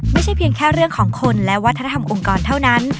ไม่ใช่เพียงแค่เรื่องของคนและวัฒนธรรมองค์กรเท่านั้น